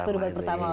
waktu debat pertama